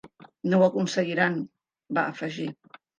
No ho aconseguiran –va afegir–.